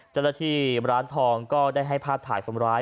เจราที่ร้านทองก็ได้ให้พลาดถ่ายคำร้าย